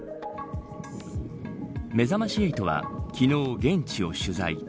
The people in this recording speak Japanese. めざまし８は昨日、現地を取材。